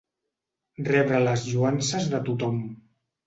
Rebre les lloances de tothom.